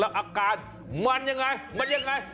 แล้วอาการมันอย่างไรมันอย่างไร